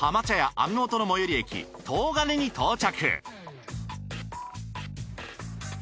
網元の最寄り駅東金に到着。